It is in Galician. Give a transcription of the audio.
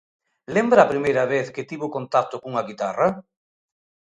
Lembra a primeira vez que tivo contacto cunha guitarra?